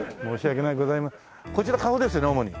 こちら顔ですね主に。